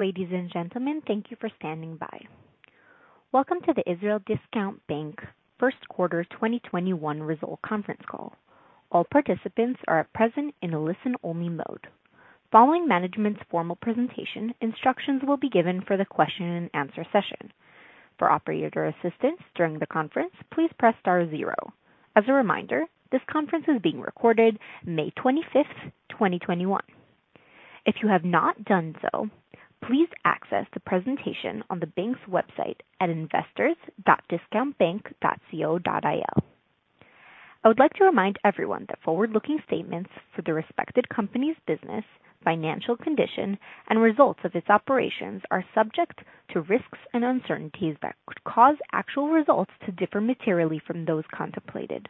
Ladies and gentlemen, thank you for standing by. Welcome to the Israel Discount Bank first quarter 2021 result conference call. All participants are present in a listen-only mode. Following management's formal presentation, instructions will be given for the question and answer session. For operator assistance during the conference, please press star zero. As a reminder, this conference is being recorded May 25th, 2021. If you have not done so, please access the presentation on the bank's website at investors.discountbank.co.il. I would like to remind everyone that forward-looking statements for the respective company's business, financial condition, and results of its operations are subject to risks and uncertainties that could cause actual results to differ materially from those contemplated.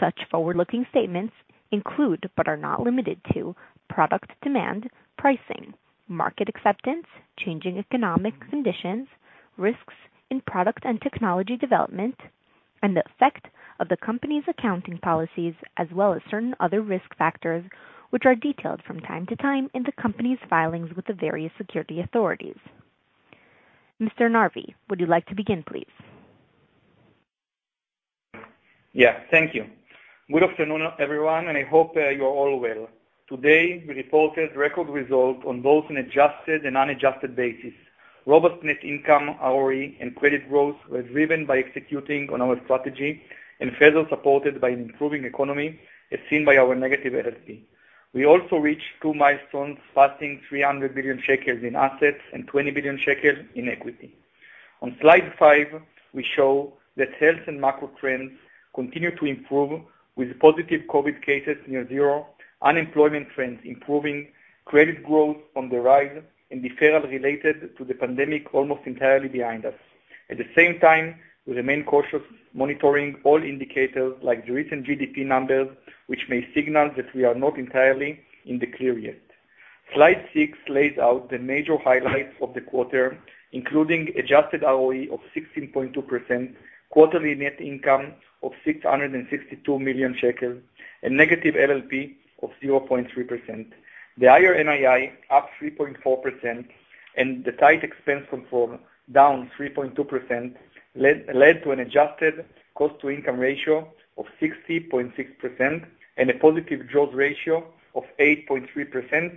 Such forward-looking statements include, but are not limited to, product demand, pricing, market acceptance, changing economic conditions, risks in product and technology development, and the effect of the company's accounting policies, as well as certain other risk factors, which are detailed from time to time in the company's filings with the various security authorities. Mr. Nardi, would you like to begin, please? Yeah, thank you. Good afternoon, everyone. I hope you're all well. Today, we reported record results on both an adjusted and unadjusted basis. Robust net income, ROE, and credit growth were driven by executing on our strategy and further supported by an improving economy as seen by our negative LLP. We also reached two milestones, passing 300 billion shekels in assets and 20 billion shekels in equity. On slide five, we show that health and macro trends continue to improve, with positive COVID cases near zero, unemployment trends improving, credit growth on the rise, and deferrals related to the pandemic almost entirely behind us. At the same time, we remain cautious, monitoring all indicators like the recent GDP numbers, which may signal that we are not entirely in the clear yet. Slide six lays out the major highlights of the quarter, including adjusted ROE of 16.2%, quarterly net income of 662 million shekels, and negative LLP of 0.3%. The higher NII, up 3.4%, and the tight expense control, down 3.2%, led to an adjusted cost-to-income ratio of 60.6% and a positive growth ratio of 8.3%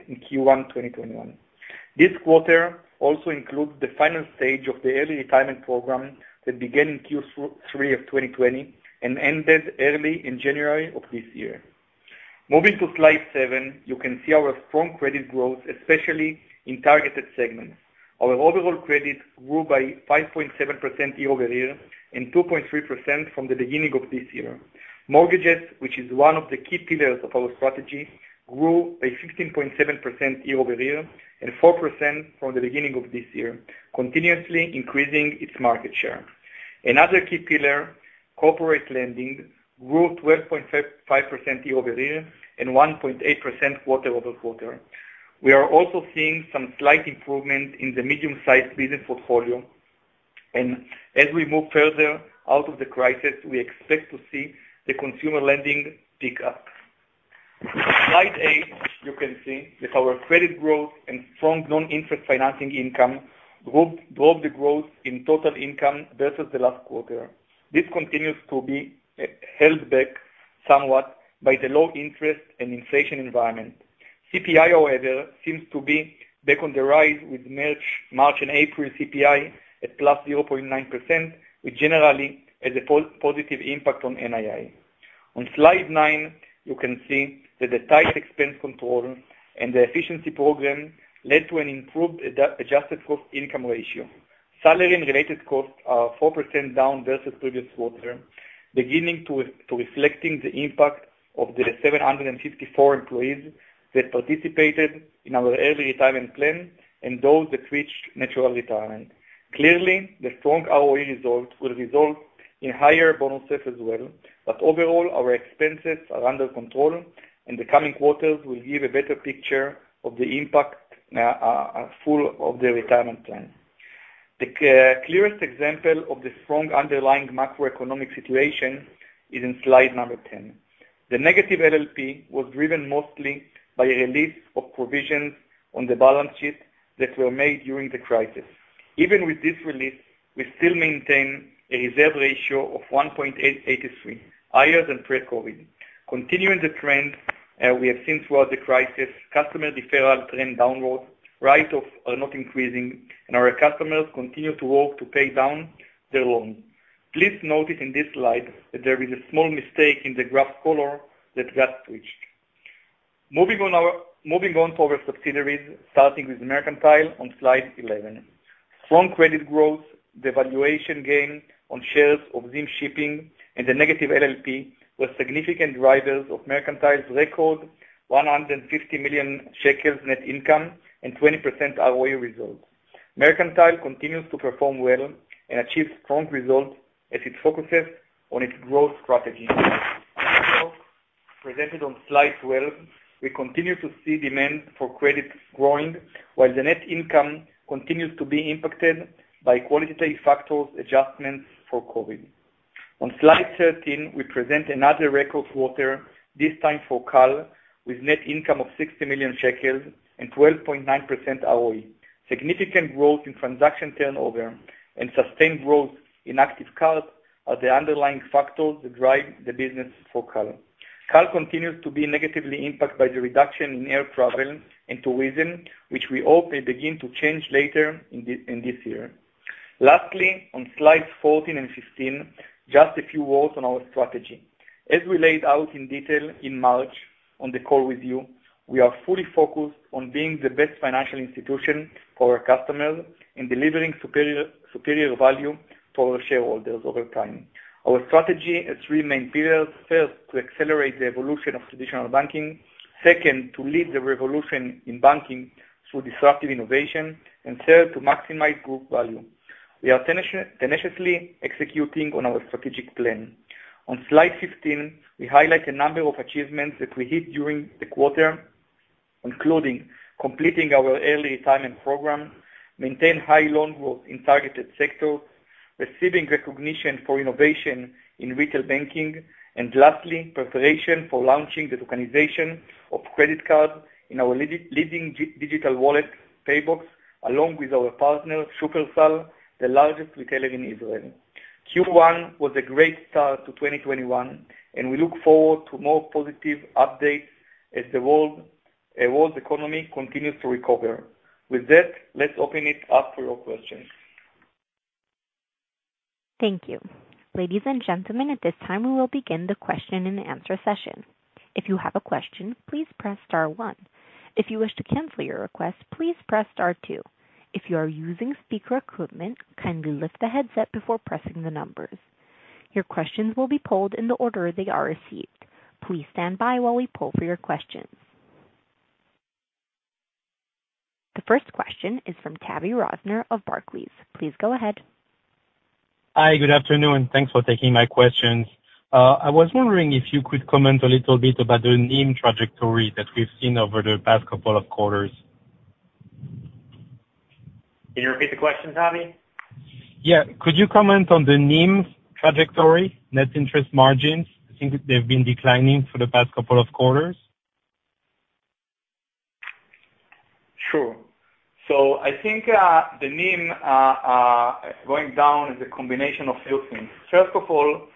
in Q1 2021. This quarter also includes the final stage of the early retirement program that began in Q3 of 2020 and ended early in January of this year. Moving to slide seven, you can see our strong credit growth, especially in targeted segments. Our overall credit grew by 5.7% year-over-year and 2.3% from the beginning of this year. Mortgages, which is one of the key pillars of our strategy, grew by 15.7% year-over-year and 4% from the beginning of this year, continuously increasing its market share. Another key pillar, corporate lending, grew 12.5% year-over-year and 1.8% quarter-over-quarter. We are also seeing some slight improvement in the medium-sized business portfolio. As we move further out of the crisis, we expect to see the consumer lending pick up. Slide eight, you can see that our credit growth and strong non-interest financing income drove the growth in total income versus the last quarter. This continues to be held back somewhat by the low interest and inflation environment. CPI, however, seems to be back on the rise with March and April CPI at +0.9%, which generally has a positive impact on NII. On slide nine, you can see that the tight expense control and the efficiency program led to an improved adjusted cost-income ratio. Salary and related costs are 4% down versus the previous quarter, beginning to reflecting the impact of the 754 employees that participated in our early retirement plan and those that reached natural retirement. Clearly, the strong ROE results will result in higher bonuses as well. Overall, our expenses are under control and the coming quarters will give a better picture of the impact full of the retirement plan. The clearest example of the strong underlying macroeconomic situation is in slide number 10. The negative LLP was driven mostly by a release of provisions on the balance sheet that were made during the crisis. Even with this release, we still maintain a reserve ratio of 1.83%, higher than pre-COVID. Continuing the trend we have seen throughout the crisis, customer deferral trend downwards, write-offs are not increasing, and our customers continue to work to pay down their loans. Please notice in this slide that there is a small mistake in the graph color that got switched. Moving on to our subsidiaries, starting with Mercantile on slide 11. Strong credit growth, the valuation gain on shares of ZIM Shipping, and the negative LLP were significant drivers of Mercantile's record 150 million shekels net income and 20% ROE results. Mercantile continues to perform well and achieve strong results as it focuses on its growth strategy. Presented on slide 12, we continue to see demand for credit growing, while the net income continues to be impacted by qualitative factors adjustments for COVID. On slide 13, we present another record quarter, this time for CAL, with net income of 60 million shekels and 12.9% ROE. Significant growth in transaction turnover and sustained growth in active cards are the underlying factors that drive the business for CAL. CAL continues to be negatively impacted by the reduction in air travel and tourism, which we hope may begin to change later in this year. Lastly, on slides 14 and 15, just a few words on our strategy. As we laid out in detail in March on the call with you, we are fully focused on being the best financial institution for our customers and delivering superior value for our shareholders over time. Our strategy has three main pillars. First, to accelerate the evolution of traditional banking. Second, to lead the revolution in banking through disruptive innovation. Third, to maximize group value. We are tenaciously executing on our strategic plan. On slide 15, we highlight a number of achievements that we hit during the quarter, including completing our early retirement program, maintain high loan growth in targeted sectors, receiving recognition for innovation in retail banking, and lastly, preparation for launching the tokenization of credit cards in our leading digital wallet, PayBox, along with our partner, Shufersal, the largest retailer in Israel. Q1 was a great start to 2021, and we look forward to more positive updates as the world's economy continues to recover. With that, let's open it up for your questions. Thank you. Ladies and gentlemen, at this time, we will begin the question-and-answer session. If you have a question, please press star one. If you wish to cancel your request, please press star two. If you are using speaker equipment, kindly lift the headset before pressing the numbers. Your questions will be polled in the order they are received. Please stand by while we poll for your questions. The first question is from Tavy Rosner of Barclays. Please go ahead. Hi. Good afternoon. Thanks for taking my questions. I was wondering if you could comment a little bit about the NIM trajectory that we've seen over the past couple of quarters. Can you repeat the question, Tavy? Yeah. Could you comment on the NIM trajectory, net interest margins? I think they've been declining for the past couple of quarters. Sure. I think the NIM going down is a combination of few things. First of all,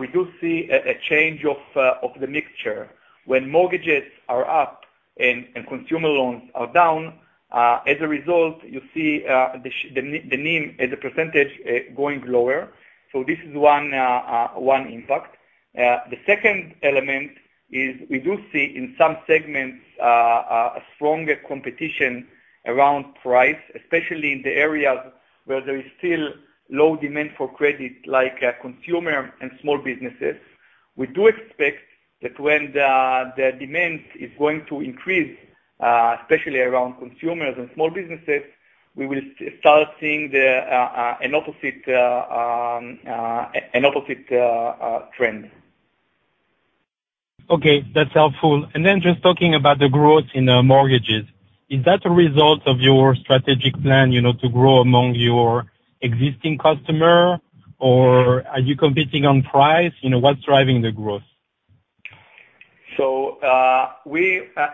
we do see a change of the mixture. When mortgages are up and consumer loans are down, as a result, you see the NIM as a percentage going lower. This is one impact. The second element is we do see in some segments, a stronger competition around price, especially in the areas where there is still low demand for credit, like consumer and small businesses. We do expect that when the demand is going to increase, especially around consumers and small businesses, we will start seeing an opposite trend. Okay, that's helpful. Just talking about the growth in mortgages, is that a result of your strategic plan to grow among your existing customer, or are you competing on price? What's driving the growth?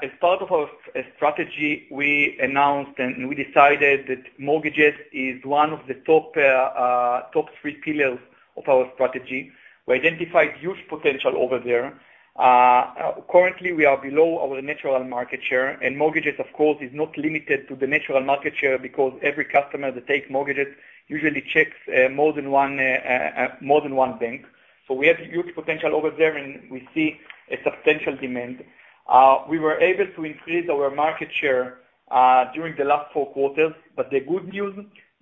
As part of our strategy, we announced and we decided that mortgages is one of the top three pillars of our strategy. We identified huge potential over there. Currently, we are below our natural market share, and mortgages, of course, is not limited to the natural market share because every customer that takes mortgages usually checks more than one bank. We have huge potential over there, and we see a substantial demand. We were able to increase our market share during the last four quarters, but the good news,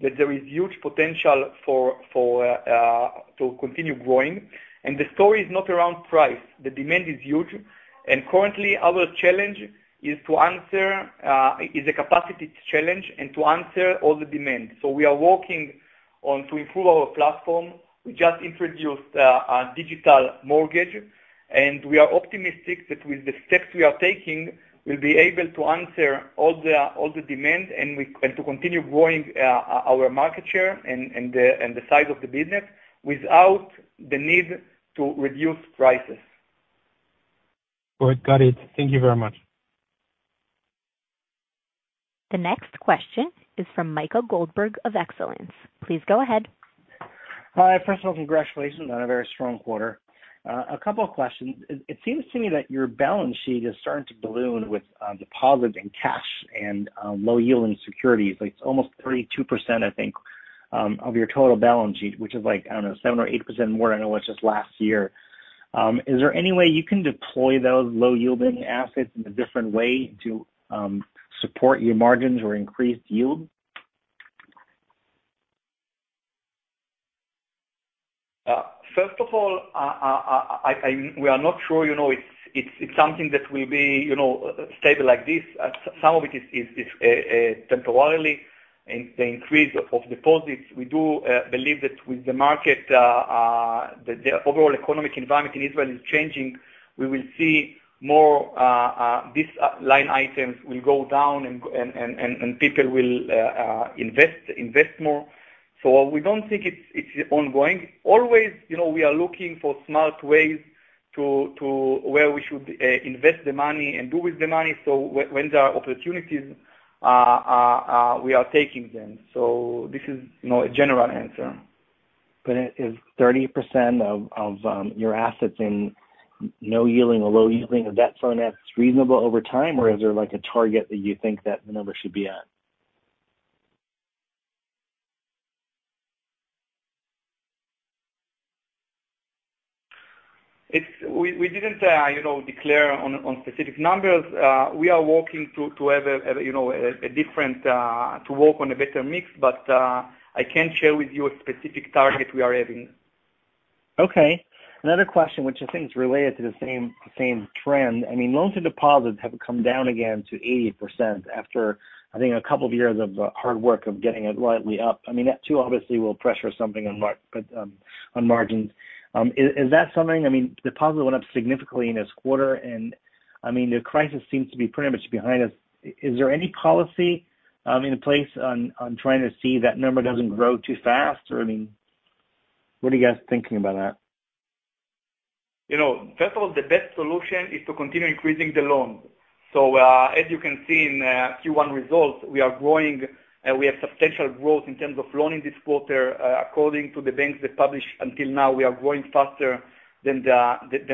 that there is huge potential to continue growing, and the story is not around price. The demand is huge, and currently our challenge is a capacity challenge and to answer all the demand. We are working to improve our platform. We just introduced a digital mortgage, and we are optimistic that with the steps we are taking, we'll be able to answer all the demand and to continue growing our market share and the size of the business without the need to reduce prices. All right. Got it. Thank you very much. The next question is from Micha Goldberg of Excellence. Please go ahead. Hi. First of all, congratulations on a very strong quarter. A couple of questions. It seems to me that your balance sheet is starting to balloon with deposits and cash and low-yielding securities. It's almost 32%, I think, of your total balance sheet, which is like, I don't know, 7% or 8% more than it was just last year. Is there any way you can deploy those low-yielding assets in a different way to support your margins or increase yield? First of all, we are not sure. It's something that will be stable like this. Some of it is temporarily, the increase of deposits. We do believe that with the market, the overall economic environment in Israel is changing. We will see these line items will go down, and people will invest more. We don't think it's ongoing. Always, we are looking for smart ways where we should invest the money and do with the money. When there are opportunities, we are taking them. This is a general answer. Is 30% of your assets in no yielding or low yielding, is that something that's reasonable over time? Is there a target that you think that number should be at? We didn't declare on specific numbers. We are working to work on a better mix. I can't share with you a specific target we are having. Okay. Another question which I think is related to the same trend. Loan to deposits have come down again to 80% after, I think, a couple of years of hard work of getting it rightly up. That too obviously will pressure something on margins. Is that something, deposits went up significantly in this quarter, and the crisis seems to be pretty much behind us? Is there any policy in place on trying to see that number doesn't grow too fast? What are you guys thinking about that? First of all, the best solution is to continue increasing the loans. As you can see in Q1 results, we are growing, and we have substantial growth in terms of loans this quarter. According to the banks that published until now, we are growing faster than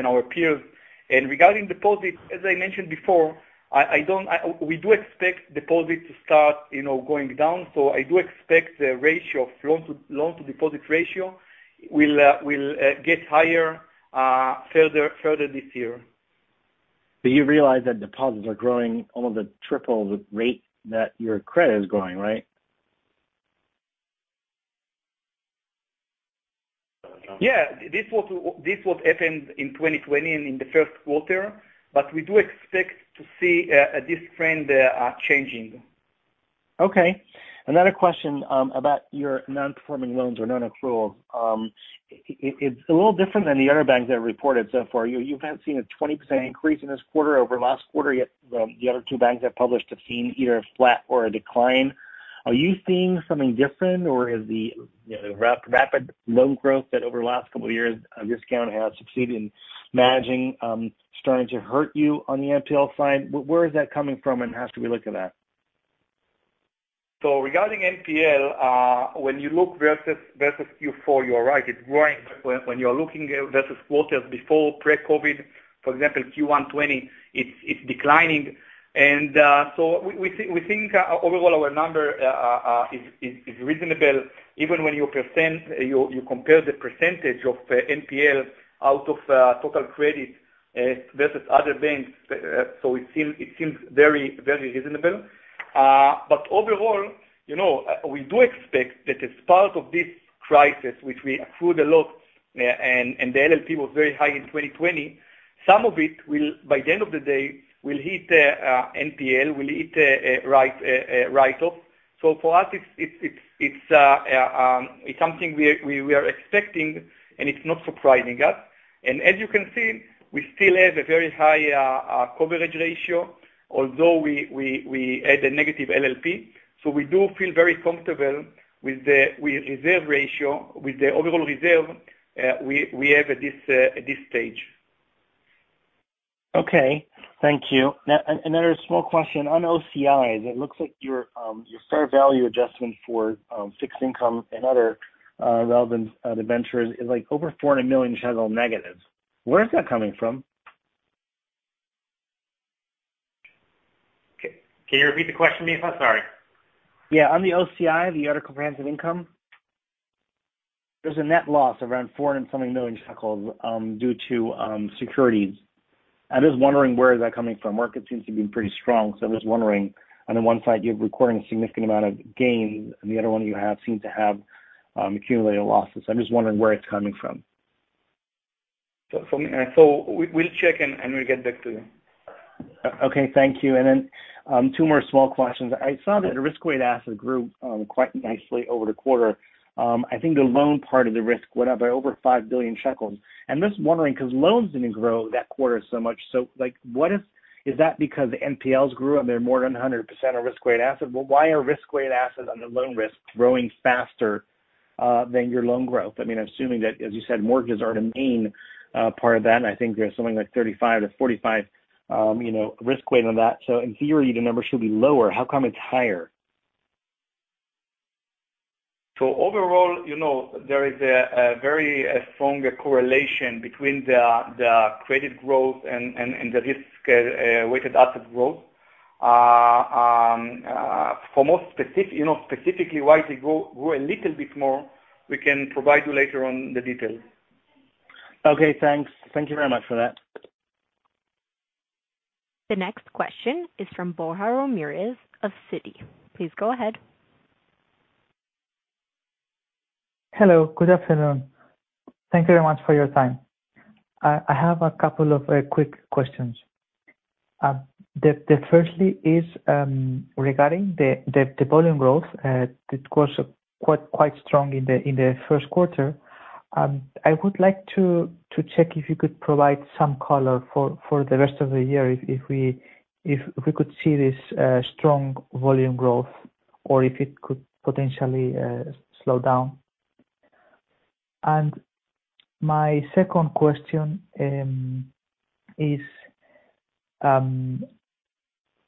our peers. Regarding deposits, as I mentioned before, we do expect deposits to start going down. I do expect the ratio of loans to deposits ratio will get higher further this year. You realize that deposits are growing almost at triple the rate that your credit is growing, right? Yeah. This was happened in 2020 and in the first quarter. We do expect to see this trend changing. Okay. Another question about your non-performing loans or non-accruals. It's a little different than the other two banks that reported so far. You guys seen a 20% increase in this quarter over last quarter, yet the other two banks that published have seen either flat or a decline. Are you seeing something different or the rapid loan growth that over the last couple of years Discount has achieved in managing starting to hurt you on the NPL side? Where is that coming from, and how should we look at that? Regarding NPL, when you look versus Q4, you're right, it's growing. When you're looking versus quarters before pre-COVID, for example, Q1 2020, it's declining. We think overall our number is reasonable, even when you compare the percentage of NPL out of total credit versus other banks. It seems very reasonable. Overall, we do expect that as part of this crisis, which we accrued a lot, and the LLP was very high in 2020. Some of it, by the end of the day, will hit NPL, will hit write off. For us, it's something we are expecting, and it's not surprising us. As you can see, we still have a very high coverage ratio, although we had a negative LLP. We do feel very comfortable with the reserve ratio, with the overall reserve we have at this stage. Okay. Thank you. Another small question. On OCIs, it looks like your fair value adjustment for fixed income and other relevant debentures is over -400 million. Where is that coming from? Can you repeat the question please? Sorry. Yeah, on the OCI, the other comprehensive income. There's a net loss around 400 something million due to securities. I'm just wondering, where is that coming from? Market seems to be pretty strong, I'm just wondering. On the one side, you're recording a significant amount of gain, and the other one you seem to have accumulated losses. I'm just wondering where it's coming from. We'll check and we'll get back to you. Okay. Thank you. Two more small questions. I saw that risk-weighted assets grew quite nicely over the quarter. I think the loan part of the risk went up by over 5 billion shekels. I'm just wondering because loans didn't grow that quarter so much. Is that because NPLs grew and they're more than 100% of risk-weighted assets? Why are risk-weighted assets under loan risk growing faster than your loan growth? Assuming that, as you said, mortgages are the main part of that, I think there's something like 35% or 45% risk weight on that. In theory, the number should be lower. How come it's higher? Overall, there is a very strong correlation between the credit growth and the risk-weighted asset growth. For most, specifically why they grow a little bit more, we can provide you later on the details. Okay, thanks. Thank you very much for that. The next question is from Borja Ramirez of Citi. Please go ahead. Hello, good afternoon. Thank you very much for your time. I have a couple of quick questions. The firstly is regarding the volume growth. It grows quite strong in the first quarter. I would like to check if you could provide some color for the rest of the year, if we could see this strong volume growth or if it could potentially slow down. My second question is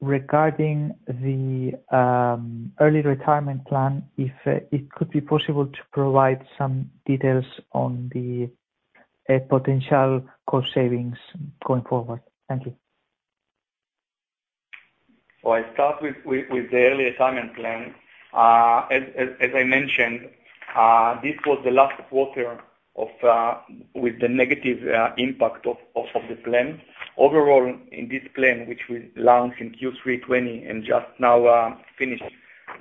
regarding the early retirement plan, if it could be possible to provide some details on the potential cost savings going forward. Thank you. I'll start with the early retirement plan. As I mentioned, this was the last quarter with the negative impact of the plan. Overall, in this plan, which we launched in Q3 2020 and just now finished,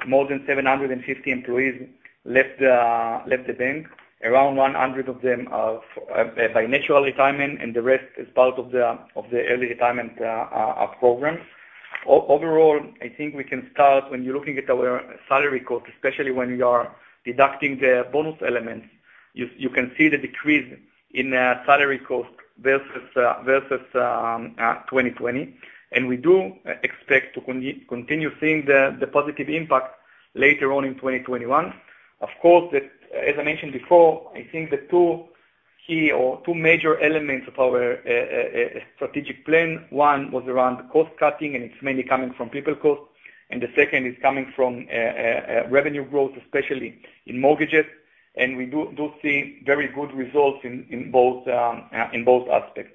more than 750 employees left the Bank, around 100 of them by natural retirement and the rest as part of the early retirement program. Overall, I think we can start when you're looking at our salary cost, especially when you are deducting the bonus element, you can see the decrease in salary cost versus 2020. We do expect to continue seeing the positive impact later on in 2021. Of course, as I mentioned before, I think the two key or two major elements of our strategic plan, one was around cost-cutting, and the second is coming from revenue growth, especially in mortgages. We do see very good results in both aspects.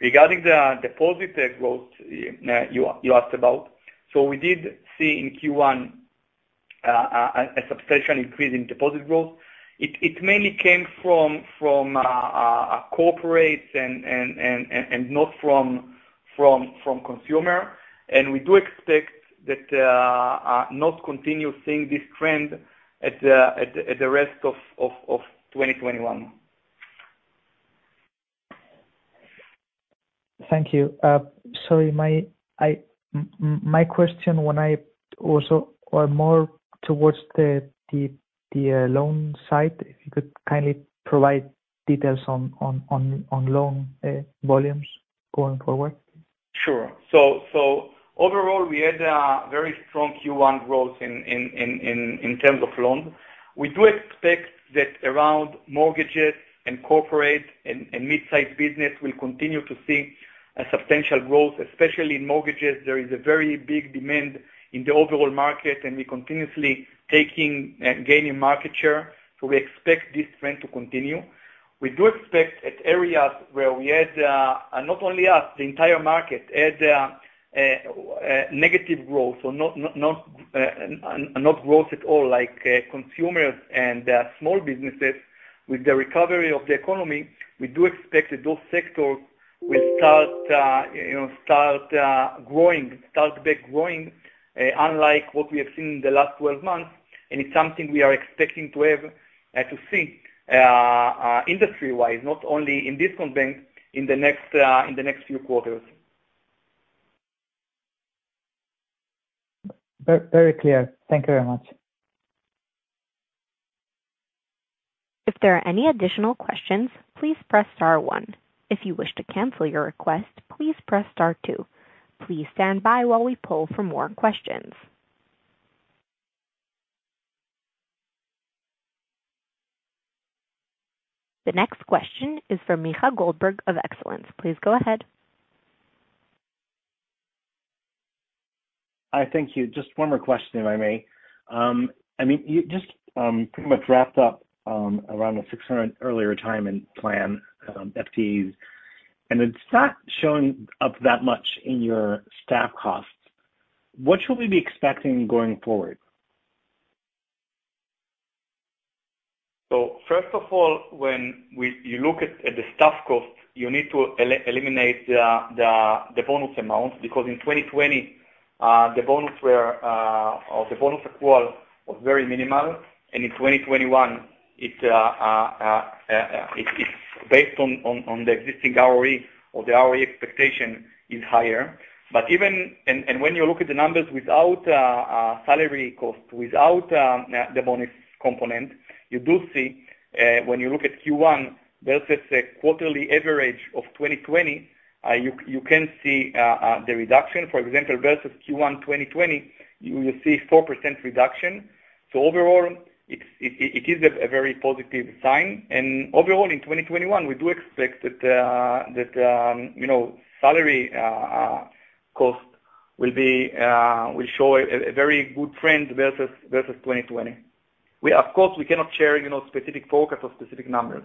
Regarding the deposit growth you asked about, we did see in Q1 a substantial increase in deposit growth. It mainly came from corporate and not from consumer. We do expect that not continue seeing this trend at the rest of 2021. Thank you. Sorry, my question when I also, or more towards the loan side, if you could kindly provide details on loan volumes going forward? Sure. Overall, we had a very strong Q1 growth in terms of loans. We do expect that around mortgages and corporate and mid-size business, we'll continue to see a substantial growth, especially in mortgages. There is a very big demand in the overall market, and we're continuously gaining market share. We expect this trend to continue. We do expect at areas where we had, and not only us, the entire market, had negative growth, so not growth at all, like consumers and small businesses. With the recovery of the economy, we do expect that those sectors will start growing, start back growing, unlike what we have seen in the last 12 months. It's something we are expecting to see industry-wise, not only in Discount Bank, in the next few quarters. Very clear. Thank you very much. If there are any additional questions, please press star one. If you wish to cancel your request, please press star two. Please stand by while we poll for more questions. The next question is from Micha Goldberg of Excellence. Please go ahead. Hi. Thank you. Just one more question, if I may. You just pretty much wrapped up around the 600 early retirement plan FTEs, and it's not showing up that much in your staff costs. What should we be expecting going forward? First of all, when you look at the staff cost, you need to eliminate the bonus amount, because in 2020, the bonus accrual was very minimal. In 2021, it's based on the existing ROE or the ROE expectation is higher. When you look at the numbers without salary cost, without the bonus component, you do see, when you look at Q1 versus quarterly average of 2020, you can see the reduction. For example, versus Q1 2020, you will see 4% reduction. Overall, it is a very positive sign. Overall, in 2021, we do expect that salary cost will show a very good trend versus 2020. Of course, we cannot share specific focus or specific numbers.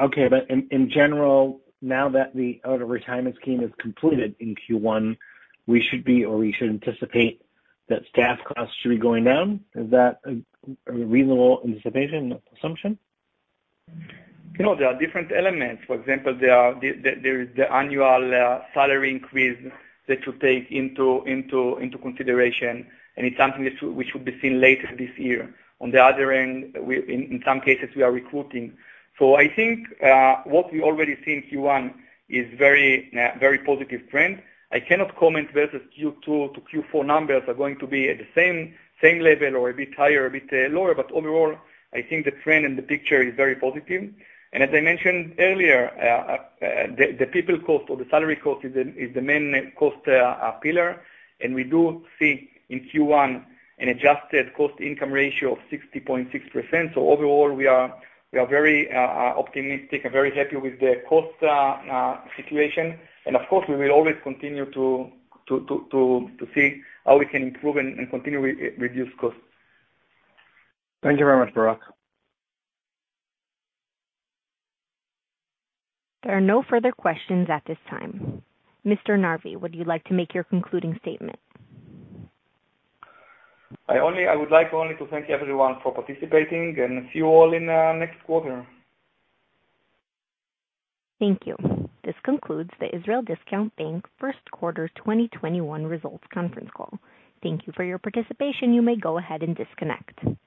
Okay. In general, now that the early retirement scheme is completed in Q1, we should be, or we should anticipate that staff costs should be going down. Is that a reasonable anticipation or assumption? No, there are different elements. For example, there is the annual salary increase that you take into consideration, and it's something which will be seen later this year. On the other end, in some cases, we are recruiting. I think what we already see in Q1 is very positive trend. I cannot comment versus Q2 to Q4 numbers are going to be at the same level or a bit higher, a bit lower. Overall, I think the trend in the picture is very positive. As I mentioned earlier, the people cost or the salary cost is the main cost pillar. We do see in Q1 an adjusted cost income ratio of 60.6%. Overall, we are very optimistic and very happy with the cost situation. Of course, we will always continue to see how we can improve and continue reduce costs. Thank you very much, Barak. There are no further questions at this time. Mr. Nardi, would you like to make your concluding statement? I would like only to thank everyone for participating, and see you all in the next quarter. Thank you. This concludes the Israel Discount Bank first quarter 2021 results conference call. Thank you for your participation. You may go ahead and disconnect.